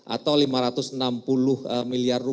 atau rp lima ratus enam puluh miliar